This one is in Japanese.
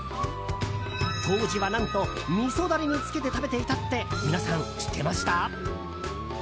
当時は何と、みそダレにつけて食べていたって皆さん知ってました？